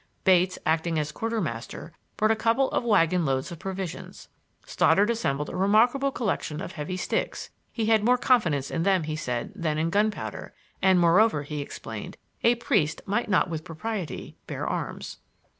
Bates, acting as quarter master, brought a couple of wagon loads of provisions. Stoddard assembled a remarkable collection of heavy sticks; he had more confidence in them, he said, than in gunpowder, and, moreover, he explained, a priest might not with propriety bear arms.